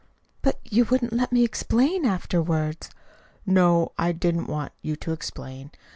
"But you wouldn't let me explain afterwards." "No, I didn't want you to explain.